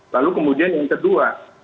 lalu kemudian yang kedua